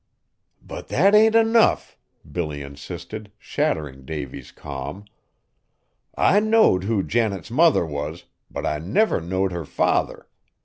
"But that ain't enough!" Billy insisted, shattering Davy's calm. "I knowed who Janet's mother was, but I never knowed her father.